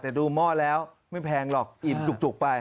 แต่ดูหม้อแล้วไม่แพงหรอกอิ่มจุกไป